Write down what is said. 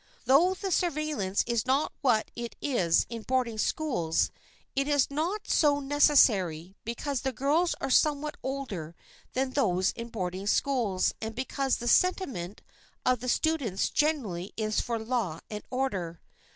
Though the surveillance is not what it is in boarding schools, it is not so necessary, because the girls are somewhat older than those in boarding schools and because the sentiment of the students generally is for law and order.